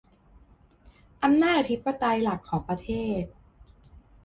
อำนาจอธิปไตยหลักของประเทศ